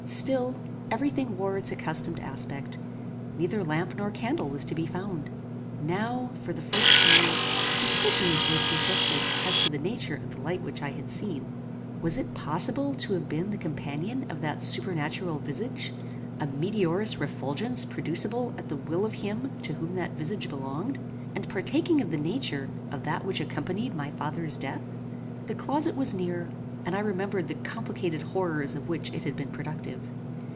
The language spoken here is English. Still every thing wore its accustomed aspect. Neither lamp nor candle was to be found. Now, for the first time, suspicions were suggested as to the nature of the light which I had seen. Was it possible to have been the companion of that supernatural visage; a meteorous refulgence producible at the will of him to whom that visage belonged, and partaking of the nature of that which accompanied my father's death? The closet was near, and I remembered the complicated horrors of which it had been productive.